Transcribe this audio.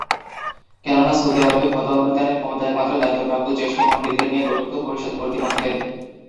কেননা সৌদি আরবে ফতোয়া প্রদানের ক্ষমতা একমাত্র দায়িত্বপ্রাপ্ত জ্যেষ্ঠ পণ্ডিতদের নিয়ে গঠিত পরিষদ কর্তৃপক্ষের।